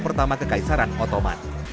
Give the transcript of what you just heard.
pertama kekaisaran ottoman